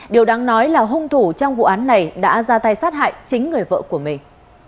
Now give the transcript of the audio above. điều đáng nói là hung thủ trong vụ án này đã ra tay sát hại chính người vợ của mình